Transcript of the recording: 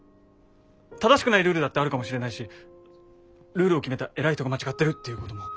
正しくないルールだってあるかもしれないしルールを決めた偉い人が間違ってるっていうことも。